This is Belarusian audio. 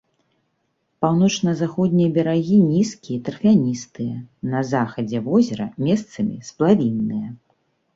Паўночна-заходнія берагі нізкія і тарфяністыя, на захадзе возера месцамі сплавінныя.